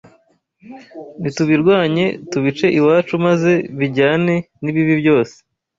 Nitubirwanye tubice iwacu Maze bijyane n’ibibi byose